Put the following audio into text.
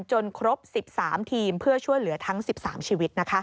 ครบ๑๓ทีมเพื่อช่วยเหลือทั้ง๑๓ชีวิต